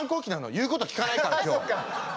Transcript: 言うこと聞かないから今日。